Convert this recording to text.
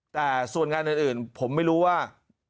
แต่ส่วนงานอื่นผมไม่รู้ว่า